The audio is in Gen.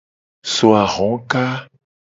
So ahoka.